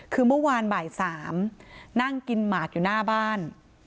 คือเมื่อวานบ่าย๓นั่งกินหมากอยู่หน้าบ้าน